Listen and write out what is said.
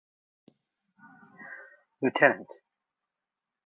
Lt.